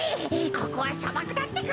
ここはさばくだってか。